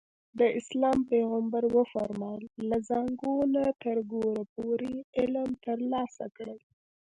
د اسلام پیغمبر وفرمایل له زانګو نه تر ګوره پورې علم ترلاسه کړئ.